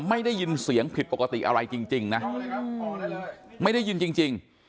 ไม่ได้ยินเสียงผิดปกติอะไรจริงนะไม่ได้ยินจริง